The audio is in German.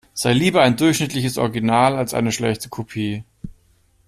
Sei lieber ein durchschnittliches Original als eine schlechte Kopie.